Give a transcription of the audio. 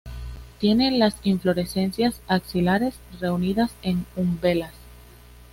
Tiene las inflorescencias axilares, reunidas en umbelas.